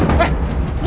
bos nyuruh kita